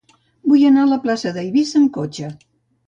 Vull anar a la plaça d'Eivissa amb cotxe.